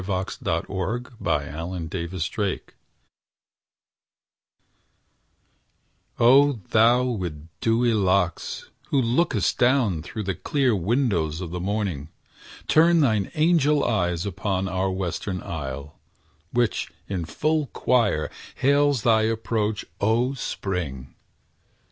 Robert Burns [1759 1796] TO SPRING O thou with dewy locks, who lookest down Through the clear windows of the morning, turn Thine angel eyes upon our western isle, Which in full choir hails thy approach, O Spring!